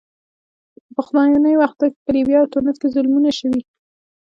په پخوانیو وختونو کې په لیبیا او تونس کې ظلمونه شوي.